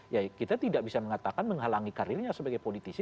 ya kita tidak bisa mengatakan menghalangi karirnya sebagai politisi